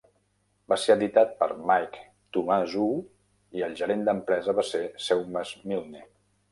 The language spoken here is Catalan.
Va ser editat per Mike Toumazou i el gerent d'empresa va ser Seumas Milne.